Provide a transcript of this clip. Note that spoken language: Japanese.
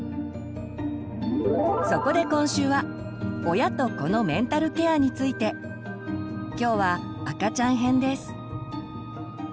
そこで今週は親と子のメンタルケアについて。今日は「赤ちゃん編」です。